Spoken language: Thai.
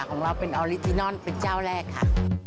ของเราเป็นออริจินอนเป็นเจ้าแรกค่ะ